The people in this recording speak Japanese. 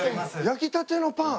焼きたてのパン？